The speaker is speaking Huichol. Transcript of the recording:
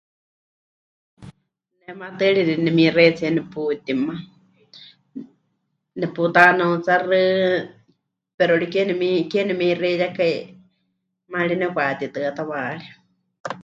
Ne maatɨari nemixeitsíe neputíma, neputanautsaxɨ pero ri keewa nemi... keewa nemixeiyakai maana ri nepɨkahatitɨa tawaarí.